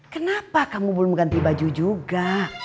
kenapa kamu belum mengganti baju juga